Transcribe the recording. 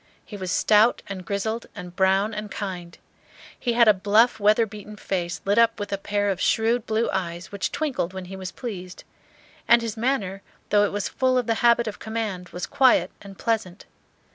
He was stout and grizzled and brown and kind. He had a bluff weather beaten face, lit up with a pair of shrewd blue eyes which twinkled when he was pleased; and his manner, though it was full of the habit of command, was quiet and pleasant.